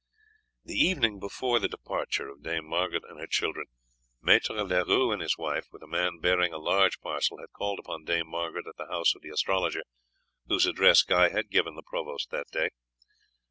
The evening before the departure of Dame Margaret and her children, Maître Leroux and his wife, with a man bearing a large parcel, had called upon Dame Margaret at the house of the astrologer, whose address Guy had given, the provost that day.